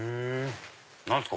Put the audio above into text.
何ですか？